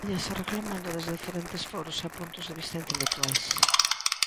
Víñase reclamando desde diferentes foros e puntos de vista intelectuais.